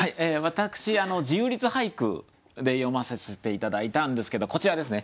私自由律俳句で詠まさせて頂いたんですけどこちらですね。